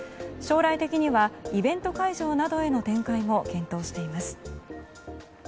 将来的にはイベント会場などへの展開も検討しています。